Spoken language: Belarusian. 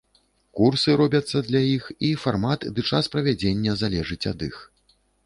Курсы робяцца для іх, і фармат ды час правядзення залежыць ад іх.